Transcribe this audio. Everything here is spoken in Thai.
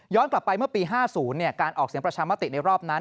กลับไปเมื่อปี๕๐การออกเสียงประชามติในรอบนั้น